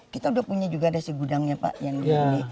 kita udah punya juga resi gudangnya pak yang ini